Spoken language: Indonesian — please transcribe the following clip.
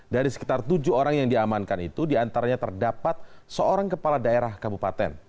dari sekitar tujuh orang yang diamankan itu diantaranya terdapat seorang kepala daerah kabupaten